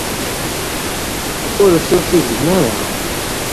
Ur tufigem ara.